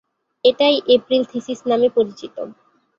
এটাই April theses নামে পরিচিত।